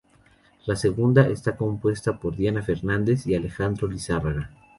La segunda, está compuesta por Diana Fernández y Alejandro Lizárraga.